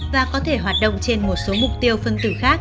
và có thể hoạt động trên một số mục tiêu phân tử khác